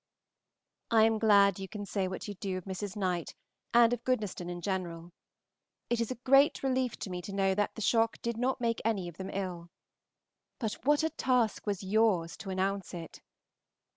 I am glad you can say what you do of Mrs. Knight and of Goodnestone in general. It is a great relief to me to know that the shock did not make any of them ill. But what a task was yours to announce it!